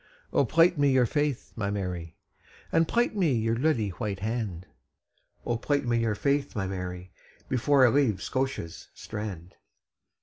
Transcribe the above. O plight me your faith, my Mary, And plight me your lily white hand; O plight me your faith, my Mary, Before I leave Scotia's strand.